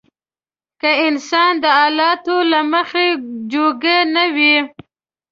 که انسان د حالاتو له مخې جوګه نه وي.